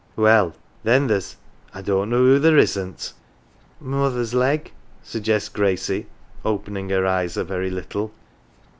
Well, then there's I don't know who there isn't " Mother's leg," suggests Gracie, opening her eyes a very little.